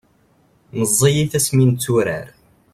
meẓẓiyit asmi netturar